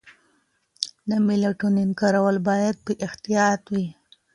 د میلاټونین کارول باید په احتیاط وي.